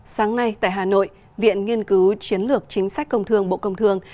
sáng nay tại hà nội viện nghiên cứu chiến lược chính sách công thương bộ công thương